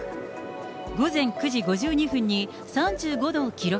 午前９時５２分に３５度を記録。